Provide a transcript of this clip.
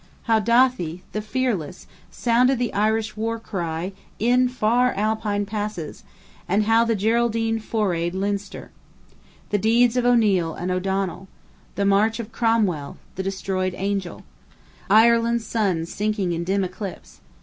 How Dathi, the fearless, sounded the Irish war cry in far Alpine passes, and how the Geraldine forayed Leinster. The deeds of O'Neil and O'Donnell. The march of Cromwell, the destroying angel. Ireland's sun sinking in dim eclipse.